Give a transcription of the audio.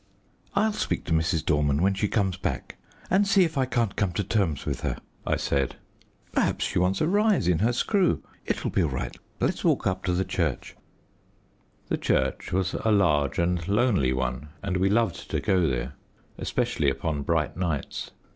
"I'll speak to Mrs. Dorman when she comes back, and see if I can't come to terms with her," I said. "Perhaps she wants a rise in her screw. It will be all right. Let's walk up to the church." The church was a large and lonely one, and we loved to go there, especially upon bright nights.